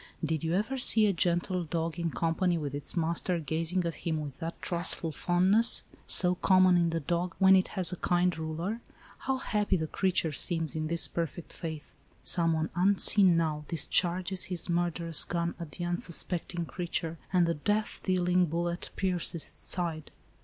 Did you ever see a gentle dog, in company with its master, gazing at him with that trustful fondness, so common in the dog, when it has a ALICE ; OR, THE WAGES OF SIN. 95 kind ruler? How happy the creature seems in this perfect faith. Some one unseen now dis charges his murderous gun at the unsuspecting creature, and the death dealing bullet pierces its side.